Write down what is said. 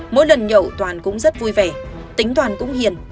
mỗi lần nhậu toàn cũng rất vui vẻ tính toàn cũng hiền